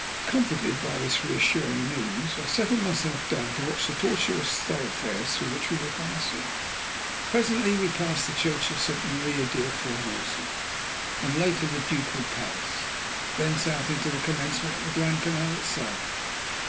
Comforted by this reassuring news, I settled myself down to watch the tortuous thoroughfares through which we were passing. Presently we passed the church of St. Maria del Formosa, and later the Ducal Palace, thence out into the commencement of the Grand Canal itself.